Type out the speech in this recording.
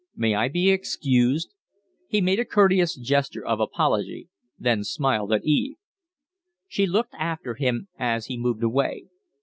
May I be excused?" He made a courteous gesture of apology; then smiled at Eve. She looked after him as he moved away.